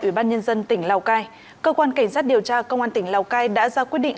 ủy ban nhân dân tỉnh lào cai cơ quan cảnh sát điều tra công an tỉnh lào cai đã ra quyết định